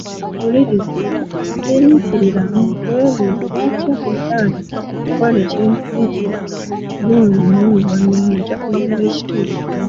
Wuliriza, siriikiriramu weebuuze lwaki akugaanyi okukola ekintu gundi n'oluvanyuma ojja kuzuula ekituufu.